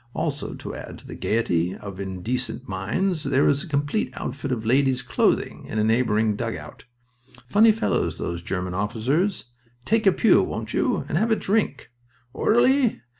Also to add to the gaiety of indecent minds there is a complete outfit of ladies' clothing in a neighboring dugout. Funny fellows those German officers. Take a pew, won't you? and have a drink. Orderly!"